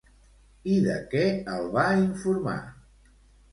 I de què el va informar?